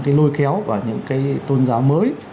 cái lôi kéo và những cái tôn giáo mới